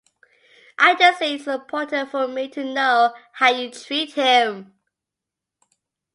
I just think it's important for me to know how you treat him.